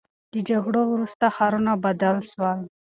د جګړو وروسته ښارونه بدل سول.